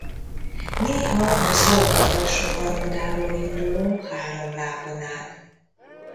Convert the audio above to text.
Néha az oldal alsó harmadáról induló három lábon áll.